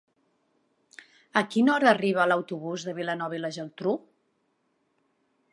A quina hora arriba l'autobús de Vilanova i la Geltrú?